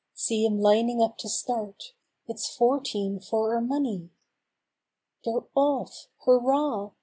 See 'em lining up to start—it's Four¬ teen for our money! They're OFF! Hurrah!